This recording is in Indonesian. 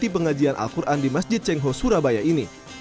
di pengajian al quran di masjid cengho surabaya ini